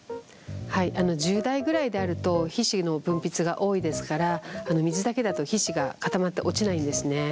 はい１０代ぐらいであると皮脂の分泌が多いですから水だけだと皮脂が固まって落ちないんですね。